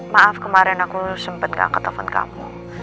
maaf kemarin aku sempet nggak angkat telepon kamu